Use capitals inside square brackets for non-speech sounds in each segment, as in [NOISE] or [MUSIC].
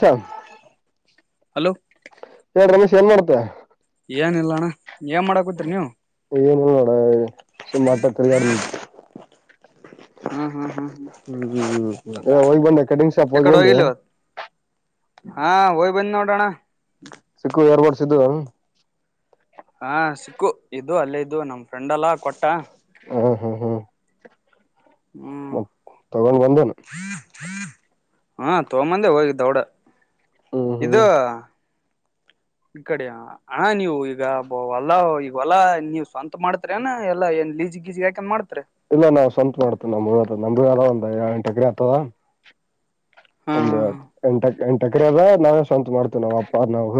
ಹ ಹಲೋ ಹೇಳ ರಮೇಶ್ ಏನ್ ಮಾಡ್ತಿಯಾ ಏನ ಇಲ್ಲ ಅಣ್ಣಾ ಏನ್ ಮಾಡಾಕುತ್ರಿ ನೀವು ನೋಡ ಸುಮ ಮಾಡಟ ತಿರಗಾಡದು ಹಾ ಹಾ ಹಾ ಹ ಹ್ಮ್ ಹ್ಮ್ ಹ್ಮ್ ಹೋಗ್ ಬಂದೆ ಕಟಿಂಗ್ ಶಾಪ್ ಹೋಗಿ ಯಕಡೆ ಬಂದಿ ಹೋಗಿಲ್ ಇವತ್ ಹಾ ಹೋಗಿ ಬಂದ್ ನೋಡೋಣ ಸಿಕ್ಕು [UNINTELLIGIBLE] ಹಾ ಸಿಕ್ಕು ಇದು ಅಲ್ಲೇ ಇದ್ದು ನಮ್ ಫ್ರೆಂಡ್ ಅಲ್ಲಾ ಕೊಟ್ಟಾ [UNINTELLIGIBLE] ಹ್ಮ್ ಮ ತಗೊಂಡ್ ಬಂದೇನು ಹಾ ತಗೋಂಡ ಬಂದೆ ಹೋಗಿದ್ದ ದೌಡ ಹ್ಮ್ ಇದು ಹ್ಮ್ ಇ ಕಡೆಯಾ ಅಣ್ಣಾ ನೀವು ಈಗ ಹೋಲ್ಲಾ ಈಗ ಹೊಲ್ಲಾ ನೀವ್ ಸ್ವಂತ ಮಾಡ್ತೀರಿ ಏನ್ ಎಲ್ಲಾ ಏನ್ ಲೀಜಿ ಗೀಜಿ ಹಾಕಂದ್ ಮಾಡ್ತಾರೀ ಇಲ್ಲ ನಾವ್ ಸ್ವಂತ ಮಾಡ್ತೇ ನಮ್ಮ ನಮ್ ಒಂದ್ ಎಳ ಎಂಟ ಎಕ್ರ ಆಗ್ತದ ಹಾ ಒಂದು ಎಂಟ ಎಂಟು ಎಕರೆ ಅದ ನಾವೇ ಸ್ವಂತ ಮಾಡ್ತೇವಿ ನಾವ್ ಅಪ್ಪ ನಾವು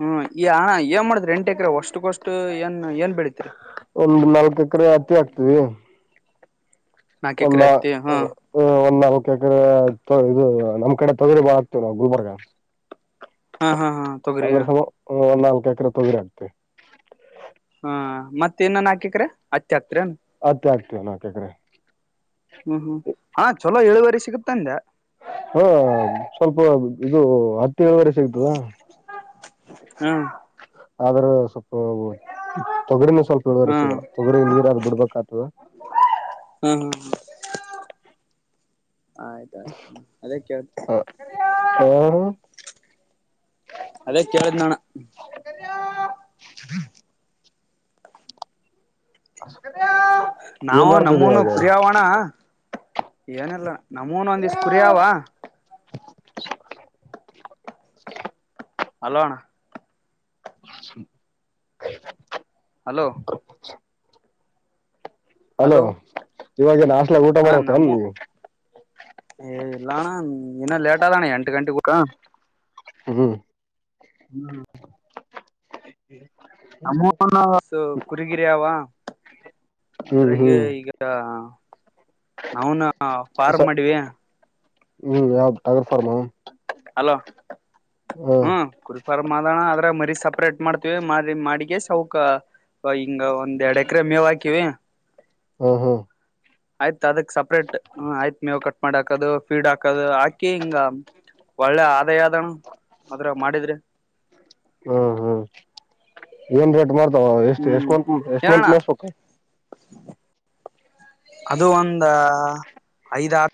ಹ್ಮ್ ಈ ಅಣಾ ಏನ್ ಮಾಡುದ್ರರಿ ಎಂಟು ಎಕರೆ ವಷ್ಟಕ್ಕಷ್ಟು ಏನ್ ಏನ್ ಬೆಳತ್ರಿ ಒಂದ್ ನಾಲ್ಕ ಎಕರೆ ಹತ್ತಿ ಆಕ್ತೀವಿ. ನಾಕ್ ಒಂದ್ ಎಕರೆ ನಾ ಹತ್ತಿ ಹಾ ಹ್ಮ್ ಒಂದ್ ನಾಲ್ಕ ಏಕ್ರೆ ಇದು ನಮ್ ಕಡೆ ತೊಗರಿ ಬಾ ಹಾಕ್ತಿವ್ ನಾವು ಗುಲ್ಬರ್ಗ. ಹಾ ಹಾ ಹಾ ತೊಗರಿ ಅಂದ್ರೆ ಹಾ ಸಮ ಒಂದ್ ನಾಲ್ಕು ಎಕರೆ ತೊಗ್ರೆ ಹಾಕ್ತಿವ್. ಹಾ ಮತ್ ಇನ್ನ ನಾಕ್ ಎಕ್ರೆ ಹತ್ತಿ ಹಾಕ್ತಿರೆನ್. ಹತ್ತೆ ಆಗ್ತವಣ ನಾಕೆಕ್ರೆ. ಹ್ಮ್ ಹ್ಮ್ ಹಾ ಚಲೋ ಇಳುವರಿ ಸಿಗುತ್ ಅಂದ್ಯ. ಹಾ ಸ್ವಲ್ಪ ಇದು ಹತ್ತು ಇಳುವರಿ ಸಿಗ್ತದ. ಹ್ಮ್ ಆದ್ರ ಸ್ವಲ್ಪ ತೊಗರಿನ ಸ್ವಲ್ಪ ಇಳುವರಿ ಸಿಗಲ್ಲ ತೊಗರಿ ನೀರಾವರ್ ಬಿಡ್ಬೇಕಾತದೆ. ಹ್ಮ್ ಹ್ಮ್ ಹ್ಮ್ ಆಯ್ತಾಯ್ತು ಅದೇ ಕೇಳ್ತ್ [UNINTELLIGIBLE] ಅದೇ ಕೇಳದ್ನಣ [UNINTELLIGIBLE] ಏನ್ ನಾವು ಮಾಡ್ತದೆ ನಮ್ಮೂನು ಇವಾಗ ಕುರಿಯವಣ ಏನಿಲ್ಲ ನಮ್ಮೂನು ಒಂದಿಷ್ಟ್ ಕುರಿಯವ ಹಲೋ ಅಣ್ಣ [INAUDIBLE] ಹಲೋ ಹಲೋ ಇವಾಗೇನ್ ಹಾಷ್ಟಲಾಗ ಊಟ ಮಾಡಬೇಕೇನ್ ನೀವು. ಏಯ್ ಇಲ್ಲಣ್ಣ ಇನ್ನ ಲೇಟಾದಣ್ಣ ಎಂಟು ಗಂಟೆಗ್ ಊಟ. ಹ್ ಹ್ಮ್ ಹ್ಮ್ ನಮ್ಮೂರ್ ನಾಗ್ ಅವ್ರ್ದು ಕುರಿಗಿರಿ ಅವ ಹ್ಮ್ ಅದ್ರಾಗೆ ಹ್ಮ್ ಈಗ ನ ನಾವುನ ಫಾರ್ಮ್ ಸ ಮಾಡಿವಿ. ಹ್ಮ್ ಯಾವ್ದ್ ಟಗರ್ ಫಾರ್ಮು. ಹಲೋ ಹ್ಮ್ ಕುರಿಫಾರ ಮಾಡೋಣ ಆದ್ರಗ್ ಮರಿ ಸಪ್ರೇಟ್ ಮಾಡ್ತೀವಿ ಮರಿ ಮಾಡಿಗೆ ಸೌಕ. ಹಿಂಗ ಒಂದ್ ಎರಡ್ ಎಕರೆ ಮೇವ್ ಹಾಕಿವಿ. ಹಾ ಹಾ ಆಯ್ತತ್ ಅದಕ್ ಸಪ್ರೇಟ್ ಆಯ್ತ್ ಮೇವು ಕಟ್ ಮಾಡ್ ಹಾಕದು ಫೀಡ್ ಹಾಕದು ಹಾಕಿ ಹಿಂಗ ಒಳ್ಳೆ ಆದಾಯ ಅದಣ ಆದ್ರಾಗ್ ಮಾಡಿದ್ರೆ. ಹ್ಮ್ ಹ್ಮ್ ಏನ್ ರೇಟ್ ಮಾಡ್ತಾವ ಎಷ್ಟು ಎಷ್ಟ ಹ್ಮ್ ಮಂತ್ ಎಷ್ಟ್ ಏನಣ್ಣ ಮತ್ ಮೆಸ್ಬೇಕ್. [INAUDIBLE] ಅದು ಒಂದ ಐದಾರ್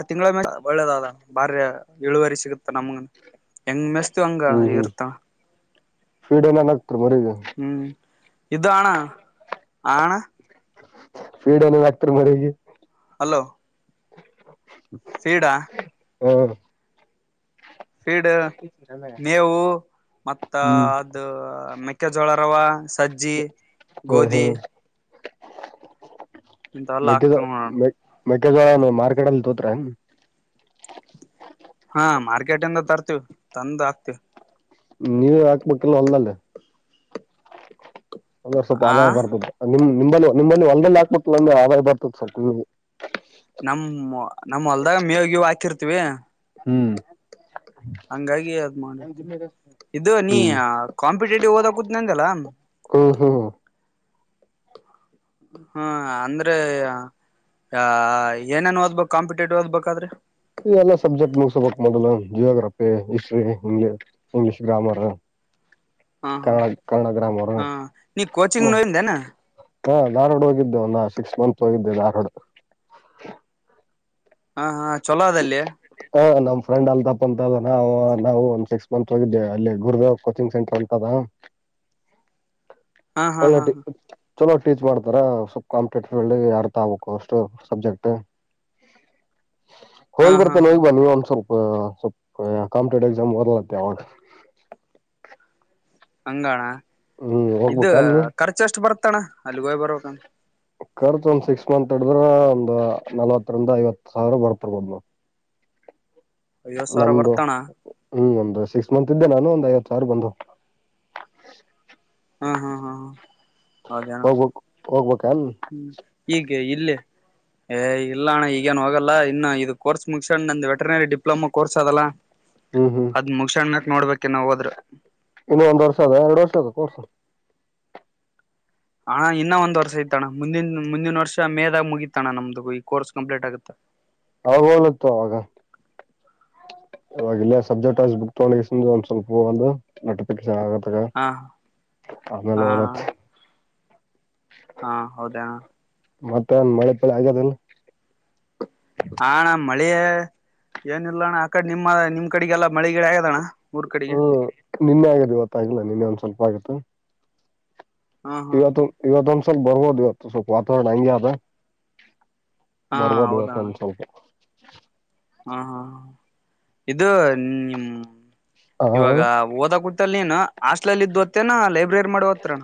ಆ ತಿಂಗಳ ಮೇಲೆ ಒಳ್ಳೇದದ ಬಾರಿ ಇಳುವರಿ ಸಿಗುತ್ತ ನಮ್ಗ ಹೆಂಗ್ ಮೆಸ್ತೀವ್ ಹಂಗ ಹ್ಮ್ ಹ್ಮ್ ಇರುತ್ತಣ. ಫೀಡ್ ಏನೇನ್ ಹಾಕ್ತಿರ್ ಮರಿಗೆ. ಹ್ಮ್ ಇದು ಅಣ ಹಾ ಆಣ. ಫೀಡ್ ಏನೇನ್ ಹಾಕ್ತಿರ್ ಮರಿಗೆ. ಹಲೋ [INAUDIBLE] ಫೀಡ ಹ್ಮ ಡ್ [UNINTELLIGIBLE] ಮೇವು ಮತ್ತ ಹ್ಮ್ ಅದು ಮೆಕ್ಕೆಜೋಳ ರವ ಸಜ್ಜಿ ಗೋಧಿ ಇಂತವೆಲ್ಲಾ ಮೇಕದ ಹಾಕ್ತಿವ್ ನೋಡೋಣ ಮ ಮೆಕೆದ್ರಾನ ಮಾರ್ಕೆಟ ಅಲ್ಲಿ ದೋತ್ರ ಹಾ ಮಾರ್ಕೆಟ್ ಇಂದ ತರ್ತಿವ ತಂದ್ ಆಕ್ತಿವಿ ನೀವೇ ಹಾಕ್ಬೇಕಲ್ಲ ಅಲ್ಲಲ್ಲ ಒಂದವ ಸ್ವಲ್ಪ ಆ ಆದಾಯ ಬರ್ತ್ದ ನಿಮ್ ನಿಮಲ್ಲಿ ನಿಮ್ಮಲ್ಲಿ ಒಳ್ಳೇ ಹಾಕ್ಬಿಟ್ಟು ಅಮ ಆದಾಯ ಬರ್ತದ ಸ್ವಲ್ಪ ನಿಮಗೆ ನಮ್ ನಮ್ ಹೊಲ್ದಾಗ ಮೇವಗ ಹಾಕಿರ್ತಿವಿ ಹ್ಮ್ ಹಂಗಾಗಿ ಅಾವ್ದ್ ಮಾಡಿರ್ತಿವಿ ಇದು ನೀ ಹ್ಮ್ ಕಾಂಪಿಟೇಟಿವ್ ಓದಕೂತ್ನ ಅಂತಲ್ಲ ಹ್ಮ್ ಹ್ಮ್ ಹಾ ಅಂದ್ರೆ ಅ ಏನೇನ್ ಓದ್ಬೇಕು ಕಾಂಪಿಟೇಟಿವ್ ಓದ್ಬೇಕಾದ್ರೆ ಇದೆಲ್ಲಾ ಸಬ್ಜೆಕ್ಟ್ ಮುಗಿಸಬೇಕು ಮೊದಲು geography history English English grammar ಹಾ ಹಾ ಕನ್ನಡ ಗ್ರಾಮರ ಹಾ ನೀ ಕೋಚಿಂಗ್ ನೋಡಿಂದೇನ ಹಾ ಧಾರ್ವಾಡ ಹೋಗಿದ್ದೆ ಒಂದ ಸಿಕ್ಸ್ ಮಂತ್ಸ್ ಹೋಗಿದ್ದೆ ರ್ವಾಡ ಹ ಹಾ ಚೊಲೋ ಅದಲ್ಲಿಯ ಹ ನಮ್ ಫ್ರೆ್ ಅಲ್ತಪ್ಪ ಅಂತ ಅದ ನಾವು ನಾವು ಒಂದ್ ಸಿಕ್ಸ್ ಮಂತ್ ಅಲ್ಲಿ ಗುರುದೇವ್ ಕೋಚಿಂಗ್ ಸೆಂಟರ್ ಅಂತದ ಹಾ ಹಾ ಹಾ ಹಾ ಒಳನಾಟಿ [UNINTELLIGIBLE] ಚಲೋ ಟೀಚ್ ಮಾಡ್ತಾರ ಸ್ವಲ್ಪ ಕಾಂಪಟೇಟಿವ್ ಫಲ್ಡ್ ಯಡ್ತಾ ಆಗಬೇಕು ಅಷ್ಟು ಸಬ್ಜೆಕ್ಟ್ [UNINTELLIGIBLE] ಹೋಗ್ ಬರ್ತನೆ ನ ಹಾ ಹೋಗ್ ಬಾ ನೀ ಒಂದ್ ಸ್ವಲ್ಪ ಸ್ವಲ್ಪ ಕಂಪಿಟೇಟಿವ್ಕ್ಸಾಮ್ಓದಲತ್ತ ಅವಾಗ ಹಂಗಣ ಹ್ಮ್ ಇದ ಹೋಗ್ಬೇಕನ್ ಖರ್ಚ ಅಷ್ಟು ಬರ್ತಣ ಅಲ್ಲಿ ಹೋಯ್ ಬರ್ಂತ ಖರ್ಚು ಒಂದ್ ಸಿಕ್ಸ್ ಮಂತ್ ಹಡಿದ್ರ ಒಂದು ನಲ್ವತ್ತರಿಂದ ಐವತ್ತು ಸಾವಿರ ಬರ್ತಿರ್ಬೋದು ನವು [UNINTELLIGIBLE] ಸಾವಿರ ನಮ್ದು ಬರ್ತಣ ಹ್ಮ್ ಒಮ್ದ ಸಿಕ್ಸ್ ಮಂತ್ ಇದ್ದೆ ನಾನು ಒಂದು ಐವತ್ತು ಸಾವಿರ ಬಂದು ಹಾ ಹಾ ಹಾ ಹಾ ಹೋಗ್ಬೇಕ ಹೋಗ್ಬೇಕಲ್ ಹೀಗೆ ಇಲ್ಲೇ ಏ ಇಲ್ಲ ಅಣ್ಣ ಈಗೇನ್ ಹೋಗಲ್ಲ ಇನ್ನು ಇದು ಕೋರ್ಸ್ ಮುಗಸಣ್ ನಂದು್ ವೆಟೆನರಿ ಡಿಪ್ಲೊಮಾ ಕೋರ್ಸ್ ಅದಲ್ಲ ಹ್ಮ್ ಹ್ಮ್ ಅದ್ ಮುಗಸಣಕ್ ನೋಡ್ಬೇಕೆ ನಾವವು ಹೋದ್ರ ಇನ್ನು ಒಂದ ವರ್ಷ ಅದ ಎರಡ್ ವರ್ಷ ಅದದು ರ್ಸು ಹಣ ಇನ್ನ ಒಂದ್ ವರ್ಷ ಇತಾನ ಮುಂದಿನ ಮುಂದಿನ ವರ್ಷ ಮೇದಾಗ ಮುಗಿತತಾನ ನಮ್ದು ಈ ಕೋರ್ಸ್ ಕಂಪ್ಲೀಟ್ ಆಗುತ್ತಾ ಆಲತ್ತು ಅವಾಗ ಇವಲ್ಲ ಸಬ್ಜೆಕ್ಟ್ ಬುಕ್ ತ ಒಂದ ಸ್ವಲ್ಪ ಒಂದು ನಟಿಫಿಕೇಶನ್ ಆಗೆ ಹಾ ಆಮೇಲೆ ಹಾ ಅವಲತ್ ಹಾ ಹೌದಾಣ ಮತ್ತೆಂದ ಮಳೆ ಪಳಿ ಆಗ್ಯದಲ್ಲ ಹಣ್ಣ ಮಳೆ ಏನ ಇಲ್ಲಣ್ಣ ಆ ಕಡೆ ನಿಮ್ಮ ನಿಮ್ ಕಡೆಗೆಲ್ಲಾ ಮಳೆ ಗಿಡ ಆಗದಣ್ಣ ಊರ್ಕಡಿಗೆ ಹ್ಮ್ ನಿನ್ನೆ ಆಗಾದ ಇವತ್ತಾಗಿಲ್ಲ ನಿನ್ನೆ ಒಂದ್ ಸ್ವಲ್ಪ ಆಗುತ್ತತ್ತು ಹಾ ಹಾ ಇವತ್ತು ಇವತ್ತು ಹ ಸಲ್ ಬರವೋ ದವತ್ತು ಸ ವಾತವರ್ರಣ ಆಗ್ಯತ ಹಾ ಬರ್ವದರತ್ತ ಹೌದಣ ಒಂದ್ ಸ್ವಲ್ಪ ಹಾ ಹಾ ಇದು ನಿ ಹ ಇವಾಗ ಓದ ಕುೂತ್ತಲ್ ನೀನು ಹಾಸ್ಟ್ಲ್ ಇದ್ದು ಹೊತ್ತೇನ ಲೈಬ್ರರಿ ಮಾಡೋ ಹತ್ರಣ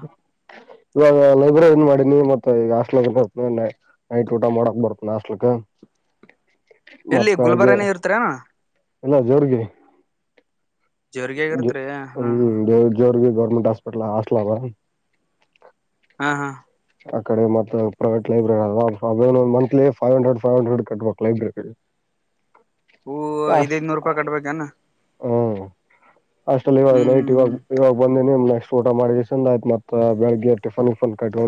ಇವಾಗ ಲೈಬ್ರರಿ ಏನ್ ಮಾಡಿನಿ ಮತ್ತೆ ಈಗ ಹಾಸ್ಲೆ ನೈಟ್ ಊಟ ಮಾಡೋಕ್ ಬರುತ್ತತ್ ನಾಸ್ಲ್ಕ್ ಮತ್ತ ಎಲ್ಲಿ ಬೆಳಗೆ ಗುಲ್ಬರಾನೇ ಇರ್ತರಣ ಎಲ್ಲ ಜೋರ್ಗೆ ಜೋರ್ಗಿಯಾಗ ಇರ್ತ್ರಿ ಹಾ ಹಾ ಹ್ಮ್ ಜೋರ್ಗಿ ಗವರ್ಮೆಂಟ್ ಹಾಸ್ಪಿಟಲ್ಲ ಬ ಹಾ ಹಾ ಆ ಕಡೆ ಮತ್ತ private library monthly five hundred five hundred ಕಟ್ಬೇಕಕ್ ಲೈಬ್ರರಿ ಹೂ ಐದ್ ಐದ್ನೂರು ರೂಪಾಯಿ ಕಟ್ಬೇಕನಾ ಹ್ಮ್ ಅಷ್ಟಲ್ಲಿ ಇವಾಗ ಹ್ಮ್ ನೈಟ ಇಿವ್ಗ ಹ್ಮ್ ಇವಾಗ ಬಂದಿನಿಮ ನೆಕ್ಸ್ಟ್ ಊಟ ಮಾಡ ಆಯ್ತ್ತ್ತತ್ ಬೆಳಗ್ ಟಿಫನ್ಫನ್ ಕಟ್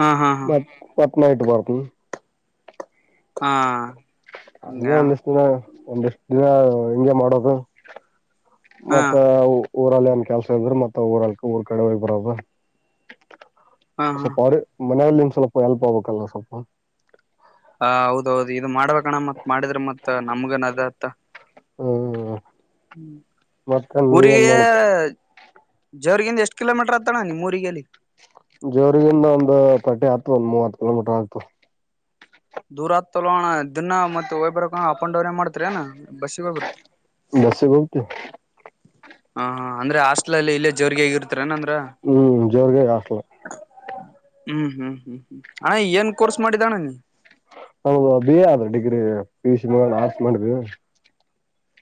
ಹಾ ಹಾ ಹಾ ನ ಪತ್ನಟ್ಟ ಬತು ಹಾ ಹಗೆ ಹಂಗೆ ಹಾ ಒಂದ ಎಷ್ಟ ದಿನ ಒಂದೆಷ್ಟ್ ದಿನ ಹೆಂಂಗಗೆ ಮಾಡೋದು ಹಾ ಮತ್ತ ಊರಲ್ಲಿ ಏನ್ ಕೆಲ್ಸ ಇದ್ರರು ಮತ್ತ ಊರಲ್ಕ ಊರ್ ಕಡೆ ಹೋಗ ಬರದ ಹಾ ಹ ಸ್ವಲ್ಪ ಅವ್ರ ಮನೆಯಲ್ಲಿಂದ ಸ್ವಲ್ಪ ಎಲ್ಪ್ ಆಗ್ಬೇಕಲ್ಲ್ಲ ಸ್ವಲ್ಪ ಹ ಹೌದ ಹೌದು ಇದು ಮಾಡ್ಬೇಕಣ್ಣ ಮತ್ ಮಾಡಿದ್ರೆ ಮತ್ ನಮ್ಗನ್ ಅದತ್ತ ಹ್ಮ ಹ್ಮ ಉರಿರಿಗೆ ಮಾಡ್ತಿ ಜೋರಿಗಂದ ಎಷ್ಟು ಕಿೋಮೀಟರ್ತ್ತತಣಮ್ಮ ಊರಿಗೆಗಲ್ಲಿ ಜೋರಿಗಂದ ಒಂದು ತಟಿ ಆತ ಒಂದ ಮೂವತ್ತು ಕಿಲೋಮೀಟರ್ ಆಗ್ತು ದೂರ ಆತ್ತಲ್ಲಣ ದಿನಾ ಮತ್ತ ಹಓಯ್ಬರ ಅ ೌನೇ ಮಾಡ್ತರಿ ಏ ಬಸ್ಸಿಗೆ ಹೋಗ್ಬರ್ತ ದಸಗಮತು ಹಾ ಹಾ ಅಂದ್ರೆ ಹಾಸ್ಟ್ಲ್ ಅಲ್ಲಿ ಇಲ್ಲೇ ಜೋರ್ಗೆ ಆಗಿರ್ತರನಂದ್ರ ಹ್ಮ್ ಜೋರ್ಗೆ ಹಾಸ್ಟೆಲ್ ಹ್ಮ್ ಹ್ಮ್ ಹ್ಮ್ ಹ್ಮ್ ಹ ಏನ್ ಕೋರ್ಸ್ ಮಾಡಿದಣ ನೀ ನಮ್ದ ಬಿ ಎ ಆದ್ರೆ degree P U C arts ಮಾಡ್ವಿ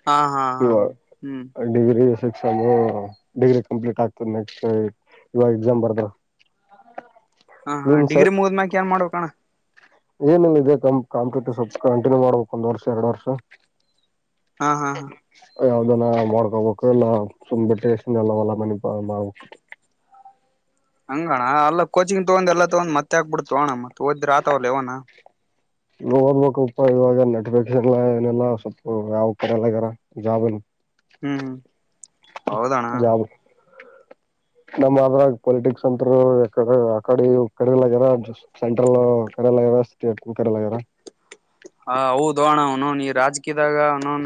ಹಾ ಹಾ ಹಾ ಹ್ಮ್ ಡಿಗ್ರಿ ಎಕ್ಸಾಮ್ ಡಿಗ್ರಿ ಕಂಪ್ಲೀಟ್ ಆಗ್ತದ ನೆಕ್ಸ್ಟ್ ಇವಾಗ ಎಕ್ಸಾಮ್ ಬರ್ದ ಹಾ ಹ ಡಿಗ್ರಿಗದ್್ಯಾಕ ಏನ್ ಮಾಡ್ುಣ ಏನಿಲ್ಲ ಇದೆ ಕ ಕಾಂಪ್ಯೂಟರ್ ಸ್ವಲ್ಪ ಕಂಟಿನ್ಯೂ ಮಾಡ್ಬೇಕು ಒಂದ್ ವರ್ಷ ಎರಡು ವರ್ಷ ಹಾ ಹಾ ಹಾ ಯಾವ್ದನ ಮಾಡ್ಕೋಬೇಕು ಇಲ್ಲ ಸುಂಬ್ ಟೇಸ್ನ್ಲ್ಲವಲ್ಲ ಮನಪ ಮಾಡ್ು ಹಂಗಣ ಅಲ್ಲ ಕೋಚಿಂಗ್ ತಗೊಂಡ್ ಎಲ್ಲ ತಗ್ ಮತ್ತ ಹ ಆಕ್ಬಿಡ್ತೋ ಅಣ ಮತ್ತ ಓದ್ರ ಆತವಲ್ಲ ಇವಣ ಇ ಓದ್ಬೇಕುಪ್ಪ ಇವಾಗ ನೆಟಿಫಿಕೇಶನ್ ಏನೆಲ್ಲ ಸ್ವ ಯಾವ ಕಡೆ ಎಲ್ಲ ಇದಾರ ಜಾಬನು ಹ್ಮ್ ಹ್ಮ್ ಹೌದಣ್ಣ ಜವು [UNINTELLIGIBLE] ನಮ್ಮ್ ಅದ್ರಾಗ ಪೊಲಿಟಿಕ್ಸ್ ಅಂತ ಆ ಕಡೆ ಕಡೆಲಾಗ್ಯ ಸೆಂ್ರಲ್ ಕಡೆಲರ ಸ್ಟೇಟ್ ಕಡೆಲರ ಹ ಹೌದೋಣ ಅವೋನ್ ಈ ರಾಜಕೀಯದಾಗ ಅವೋನ್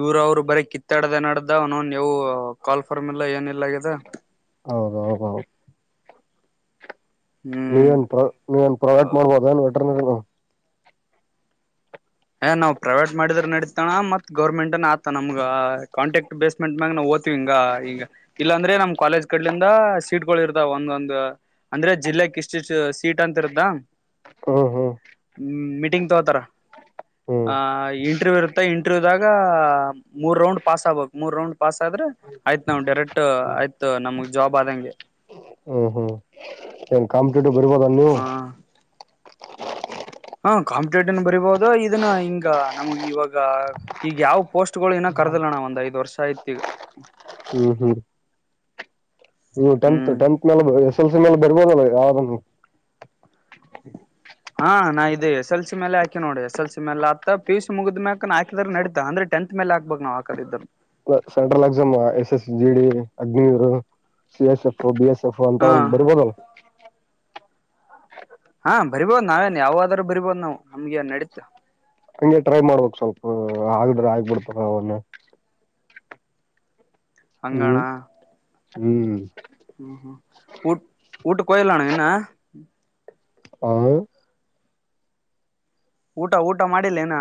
ಇವ್ರ ಅವ್ರು ಬರೀ ಕಿತ್ತಾಡ್ದ ನಡ್ದ ಇದನ್ ನೀವು ಕಾಲ್ ಫಾರ್ ಎಲ್ಲ ಏನ್ ಇಲ್ಲ ಆಗಾಗಿದೆ ಹೌದೌದ ಹ್ಮ ನೀವೇನ್ ನೀವೇನ್ ಪ್ರೊಟ್ ಮಾಡಬೋದು ನ್ ವೆಟರಿ ಏ ನಾವು ಪ್ರೈವೇಟ್ ಮಾಡಿದ್ರೆ ನಡೀತಾನ ಮತ್ ಗೌರ್ಮೆಂಟ್ ಆತ ನಮ್ಗ ಕಾಂಟ್ಯಾಕ್ಟ್ ಬೇಸ್ ಮೆಂಟ್ ಮ್ಯಾಗ ನಾವು ದ್ತಿವಿ ಹಿಂಗ ಈಗ ಇಲ್ಲಾಂದ್ರೆ ನಮ್ ಕಾಲೇಜ್ ಕಡ್ಲಿಂದ ಸೀಟ್ಗಳು ಇರ್ತಾವ ಒಂದೊಂದ್ ಅಂದ್ರೆ ಜಿಲ್ಲೆಕ್ ಇಷ್ಟಿಷ್ಟ ಸೀಟ್ ಅಂತಿರುತ್ತಾ? ಹಂ ಹಂ. ಹಂ ಮೀಟಿಂಗ ತೊಗೊತಾರ್. ಹ್ಮ್ ಆಹ್ ಇಂಟರ್ವ್ಯ್ ಇರುತ್ತೆ ಇಂಟರ್ವ್ಯೂದಾಗ ಮೂರ್ ರೌಂಡ್ ಪಾಸ್ ಆಬೇಕ ಮೂರ್ ರೌಂಡ್ ಪಾಸ್ ಆದ್ರ ಆಯ್ತ್ ನಾವ್ ಡೈರೆಕ್ಟ್ ಆಯ್ತು ನಮ್ಗ್ ಜಾಬ್ ಆದಂಗೆ. ಹ್ಮ್ ಹ್ಮ್ ಏನ್ ಕಾಂಪಿಟೇಟಿವ್ ಬರ್ಬೋದೇನ್ ನೀವು? ಹ ಹಾ ಕಾಂಪಿಟೇಟನ್ ಬರಿಬೋದು ಇದನ್ನ ಹಿಂಗ ನಮ್ಗ ಇವಾಗ ಈಗ ಯಾವ್ ಪೋಸ್ಟ್ ಗಳು ಇನ್ನ ಕರ್ದಲ್ಲಣಾ ಒಂದ್ ಐದ್ ವರ್ಷ ಆಯ್ತ್ ಈಗ. ಹ್ಮ್ ಹ್ಮ್ ನೀವ್ ಟೆಂತ್ ಹ್ಮ್ ಟೆಂತ್ ನನಗ್ ಎಸ್ ಎಲ್ ಸಿ ಮ್ಯಾಲ ಬರ್ಬೋದಲ್ಲ ಯಾವ್ದುನೂ? ಹಾ ನಾ ಇದೆ ಎಸ್ ಎಲ್ ಸಿ ಮ್ಯಾಲೆ ಹಾಕಿನ ನೋಡ ಎಸ್ ಎಲ್ಸಿ ಮ್ಯಾಲ ಆತ್ತ ಪಿಯುಸಿ ಮುಗಿದ್ ಮ್ಯಾಕ್ನ ಹಾಕಿದ್ರ ನಡಿತದ ಅಂದ್ರೆ ಟೆಂತ್ ಮ್ಯಾಲ್ ಹಾಕ್ಬೇಕ ನಾವ್ ಹಾಕದಿದ್ದುರ. ಅ central exam S S G D Agniveer. C S F B S F ಹಾ ಅಂತಾವ ಬರ್ಬೋದಲಾ? ಹಾ ಬರಿಬೋದು ನಾವೇನ್ ಯಾವಾದ್ರು ಬರಿಬೋದ ನಾವ ನಮ್ಗೆನ ನಡಿ ಹಂಗೆ ಟ್ರೈ ಮಾಡ್ಬೇಕ್ ಸ್ವಲ್ಪ ಆಗಿದ್ರ ಆಗ್ಬಿಡ್ತದ ಅವನ್ನ ಹಂಗಣ ಹ್ಮ್ ಹ್ಮ್. ಹ್ಮ್ ಹ್ಮ ಊಟ್ ಊಟಕ್ ಹೋಗಿಲ್ ಅಣ್ಣಾ ಇನ್ನಾ? ಹಾ ಊಟ ಊಟ ಮಾಡಿಲ್ಲ ಇನಾ?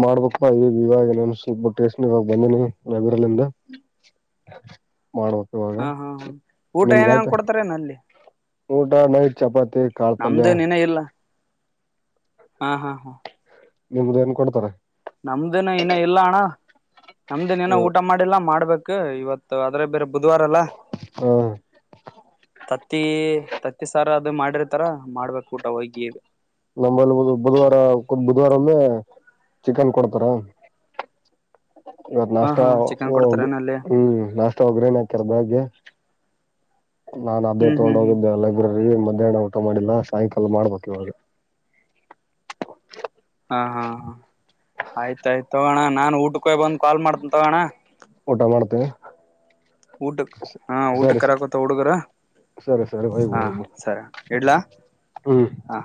ಮಾಡಬೇಕ್ಪ ಈಗ ಇವಾಗ ಇನ್ನೋನ್ ಸ್ವಲ್ಪ ಬಿಟ್ಟ ಟೇಶಂಗ ಹೋಗಿ ಬಂದಿನಿ ಲೈಬ್ರರಿಲಿಂದ. ಮಾಡ್ಬೇಕ. ಇವಾಗ ಹಾ ಹಾ ಹಾ ಊಟ ನಿಮ್ದ ಏನೇನ್ ಆಯ್ತ ಕೊಡ್ತಾರೇನ ಅಲ್ಲಿ? ಊಟ ನೈಟ್ ಚಪಾತಿ ಕಾಳ ಪಲ್ಯ. ನಮ್ದೇನ್ ಇನ್ನ ಇಲ್ಲ ಹಾ ಹಾ ಹಾ. ನಿಮ್ದ ಏನ್ ಕೊಡ್ತಾರ? ನಮ್ದಿನ ಇನ್ನ್ ಇಲ್ಲ ಅಣ್ಣ ನಮ್ದಿನ ಏನ ಊಟ ಮಾಡಿಲ್ಲಾ ಮಾಡ್ಬೇಕ ಇವತ್ತ ಅದ್ರಾಗ್ ಬೇರೆ ಬುಧವಾರ ಅಲ್ ಹ ತತ್ತಿ ತತ್ತಿ ಸಾರ್ ಊಟಾ ಅದು ಮಾಡಿರ್ತಾರ್ ಮಾಡ್ಬೇಕ ಊಟ ಹೋಗಿ. ನಂಬಲ್ಲಿ ಬಂದು ಬುಧವಾರ ಬುಧವಾರ ಒಮ್ಮೆ ಚಿಕನ್ ಕೊಡ್ತಾರ. ಇವತ್ತ್ ಹಾ ನಾಸ್ಟಾ ಹಾ ಚಿಕನ್ ಓ ಇದು ಕೊಡ್ತಾರೇನ ಅಲ್ಲಿ ಹಂ ನಾಶ ವಗ್ಗ್ರಣಿ ಹಾಕಿದ್ರ ಬೆಳಗ್ಗೆ ನಾನ್ ಅದೇ ಹ್ಮ್ ತಗೊಂಡ ಹ್ಮ್ ಹ್ಮ್ ಹೋಗಿದ್ದೆ ಎಲ್ಲ [UNINTELLIGIBLE] ಲೈಬ್ರರಿ ಮಧ್ಯಾಹ್ನ ಊಟ ಮಾಡಿಲ್ಲ ಸಾಯಂಕಾಲ ಮಾಡ್ಬೇಕ್ ಇವಾಗೆ. ಹಾ ಹಾ ಹ ಆಯ್ತಾಯ್ತ ತೋಗೋಣ ನಾನ್ ಊಟ ಊಟಕ್ ಹೋಗಿ ಬಂದ ಕಾಲ್ ಮಾಡ್ತೇನ್ ತೊಗೊಣ್ಣ. ಊಟ ಮಾಡ್ತಿ? ಊಟಕ್ ಹಾ ಊಟಕ್ಕ ಸರಿ ಕರ್ಯಾಕತ್ತವ ಹುಡುಗ್ರ. ಸರಿ ಸರಿ ಬಾಯ್ ಹಾ ಬಾಯ್ ಸರಿ ಇಡ್ಲಾ ಹ್ಮ್ ಹಾ.